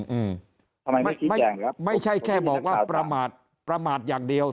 อืมทำไมไม่ไม่ใช่แค่บอกว่าประมาทประมาทอย่างเดียว